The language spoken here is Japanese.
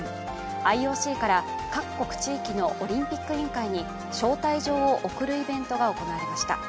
ＩＯＣから各国地域のオリンピック委員会に招待状を送るイベントが行われました。